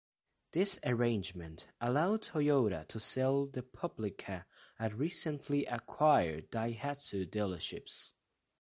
This arrangement allowed Toyota to sell the Publica at recently acquired Daihatsu dealerships.